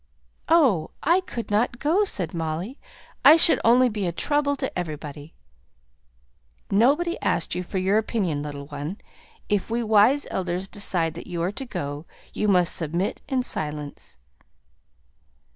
"Oh, I could not go," said Molly; "I should only be a trouble to everybody." "Nobody asked you for your opinion, little one. If we wise elders decide that you are to go, you must submit in silence."